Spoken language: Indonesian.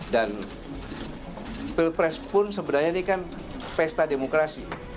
dan pilpres pun sebenarnya ini kan pesta demokrasi